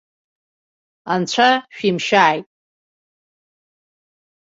Анцәа шәимшьааит.